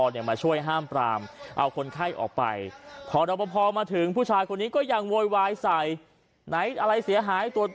ถ่ายเลยถ่ายเลยถ่ายเลยถ่ายเลยถ่ายเลยถ่ายเลยถ่ายเลยถ่ายเลยถ่ายเลยถ่ายเลย